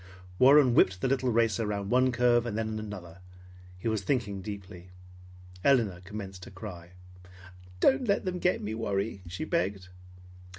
Warren whipped the little racer round one curve and then another. He was thinking deeply. Elinor commenced to cry. "Don't let them get me, Warry!" she begged.